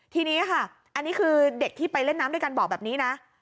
ทีนี้ค่ะอันนี้คือเด็กที่ไปเล่นน้ำด้วยกันบอกแบบนี้นะ